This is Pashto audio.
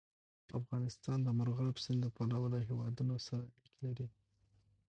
افغانستان د مورغاب سیند له پلوه له هېوادونو سره اړیکې لري.